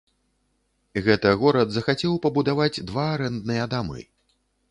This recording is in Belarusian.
Гэта горад захацеў пабудаваць два арэндныя дамы.